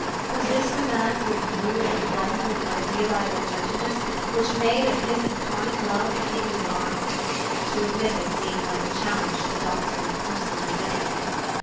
Was this the man who had wooed and won her with an idealizing gentleness which made of his incarnate love a thing divine? To admit it seemed like a challenge to the doctrine of personal identity.